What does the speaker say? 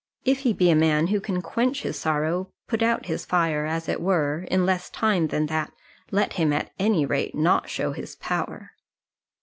If he be a man who can quench his sorrow put out his fire as it were in less time than that, let him at any rate not show his power!